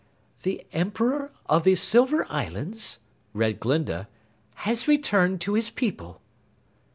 "The Emperor of the Silver Islands," read Glinda, "has returned to his people."